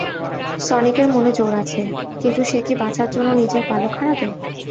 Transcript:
সনিকের মনে জোর আছে, কিন্তু সে কি বাঁচার জন্য নিজের পালক হারাবে?